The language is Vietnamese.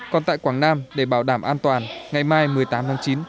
còn tại quảng nam để bảo đảm an toàn ngày mai một mươi tám tháng chín